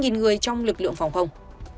một mươi năm người trong lực lượng phòng hồng